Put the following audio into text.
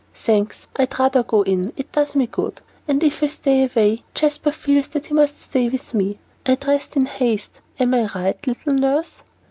"Thanks, I'd rather go in, it does me good; and if I stay away, Jasper feels that he must stay with me. I dressed in haste, am I right, little nurse?"